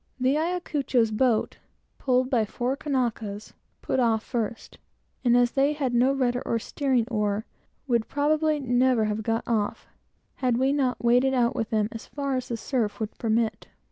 The Ayacucho's boat, pulled by four Kanakas, put off first, and as they had no rudder or steering oar, would probably never have got off, had we not waded out with them, as far as the surf would permit.